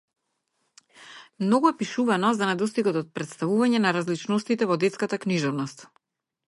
Многу е пишувано за недостигот од претставување на различностите во детската книжевност.